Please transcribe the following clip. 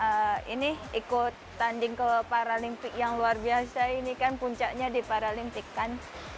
kita ini ikut tanding ke paralimpik yang luar biasa ini kan puncaknya di paralimpik kan